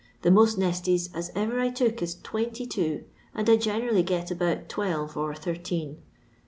The most nesties as ever I took is twenty two, and I generally get about twelve or thirteen.